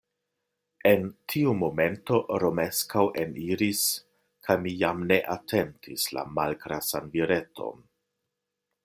En tiu momento Romeskaŭ eniris kaj mi jam ne atentis la malgrasan vireton.